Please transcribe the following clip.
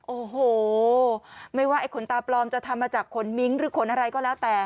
โอ้โหไม่ว่าไอ้ขนตาปลอมจะทำมาจากขนมิ้งหรือขนอะไรก็แล้วแต่